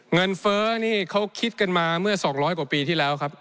เฟ้อนี่เขาคิดกันมาเมื่อ๒๐๐กว่าปีที่แล้วครับ